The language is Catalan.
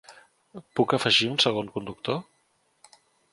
Puc afegir un segon conductor?